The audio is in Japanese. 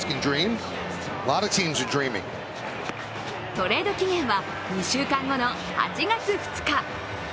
トレード期限は２週間後の８月２日。